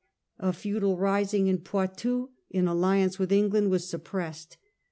A feudal rising in Poitou, in alliance with England, was suppressed.